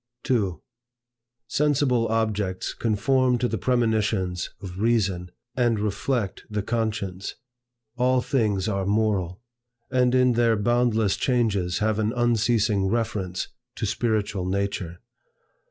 2. Sensible objects conform to the premonitions of Reason and reflect the conscience. All things are moral; and in their boundless changes have an unceasing reference to spiritual nature.